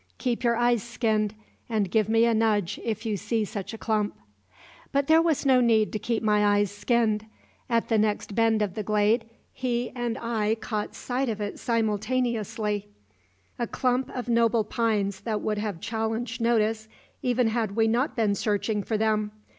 Keep your eyes skinned, and give me a nudge if you see such a clump." But there was no need to keep my eyes skinned. At the next bend of the glade he and I caught sight of it simultaneously a clump of noble pines that would have challenged notice even had we not been searching for them.